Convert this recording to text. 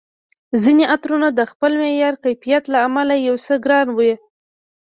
ځیني عطرونه د خپل معیار، کیفیت له امله یو څه ګران وي